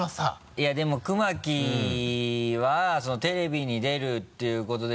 いやでも熊木はテレビに出るっていうことで。